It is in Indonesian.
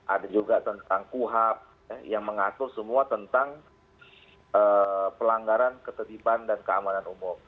ada juga tentang kuhap yang mengatur semua tentang pelanggaran ketertiban dan keamanan umum